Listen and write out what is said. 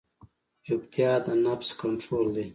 چپتیا، د نفس کنټرول دی.